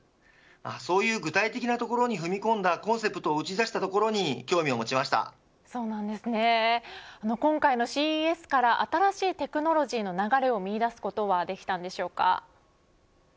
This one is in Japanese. そういう具体的なところに踏み込んだコンセプトを打ち出したところに今回のＣＥＳから新しいテクノロジーの流れを見いだすことはできたんでしょうか。